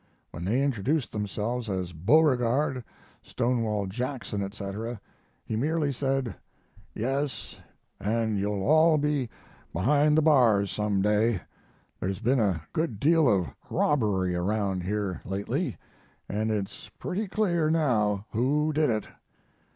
When they introduced themselves as Beauregard, Stonewall Jackson, etc., he merely said: "'Yes, and you'll all be behind the bars some day. There's been a good deal of robbery around here lately, and it's pretty clear now who did it.'